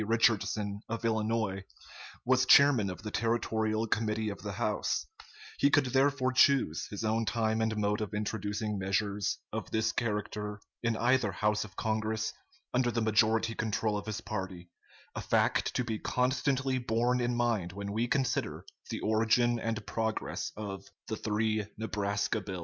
Richardson, of Illinois, was chairman of the Territorial Committee of the House, He could therefore choose his own time and mode of introducing measures of this character in either house of Congress, under the majority control of his party a fact to be constantly borne in mind when we consider the origin and progress of "the three Nebraska bills."